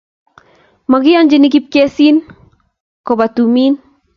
makiyonchini kipkesin koba tumin